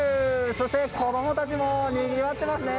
そして、子供たちもにぎわってますね。